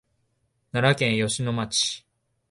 奈良県吉野町